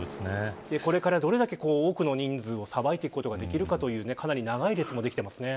これからどれだけ多くの人数をさばいていくことができるのかというかなり長い列もできてますね。